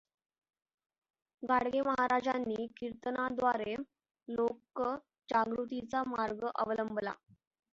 गाडगे महाराजांनी कीर्तनांद्वारे लोकजागृतीचा मार्ग अवलंबला.